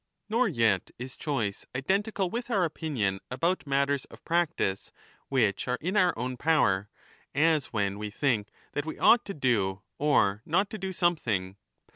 Nor yet is choice 5 identical with our opinion about matters of practice which are in our own power, as when we think that we ought to do or not to do something.